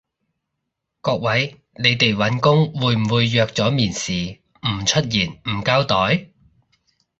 各位，你哋搵工會唔會約咗面試唔出現唔交代？